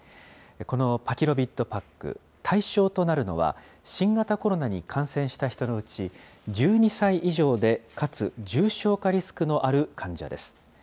このパキロビッドパック、対象となるのは、新型コロナに感染した人のうち、１２歳以上でかつ重症化リスクのある患者です。